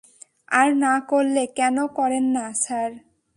আর না করলে, কেন করেন না, স্যার?